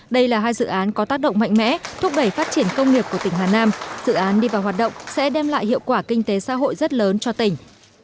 đây là hai dự án có tác động mạnh mẽ thúc đẩy phát triển công nghiệp của tỉnh hà nam dự án đi vào hoạt động sẽ đem lại hiệu quả kinh tế xã hội rất lớn cho tỉnh